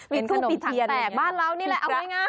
เป็นขนมเตียร์บ้านเรานี่ไงเอาง่าย